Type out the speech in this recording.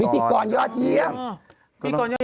พิธีกรยอดเยี่ยม